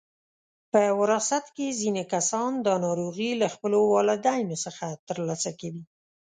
په وراثت کې ځینې کسان دا ناروغي له خپلو والدینو څخه ترلاسه کوي.